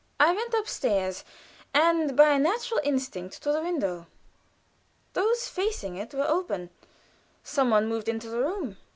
I went upstairs, and, by a natural instinct, to the window. Those facing it were open; some one moved in the room.